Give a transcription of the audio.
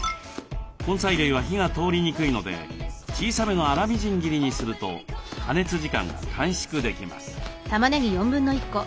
根菜類は火が通りにくいので小さめの粗みじん切りにすると加熱時間が短縮できます。